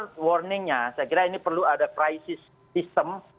karena warningnya saya kira ini perlu ada crisis system